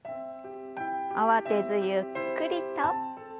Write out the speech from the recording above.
慌てずゆっくりと。